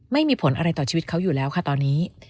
ไม่มีผลอะไรต่อชีวิตเขาอยู่แล้วค่ะตอนนี้